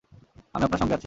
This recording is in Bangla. আমি আপনার সঙ্গে আছি।